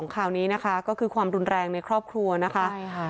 ๒คราวนี้นะคะก็คือความรุนแรงในครอบครัวนะคะ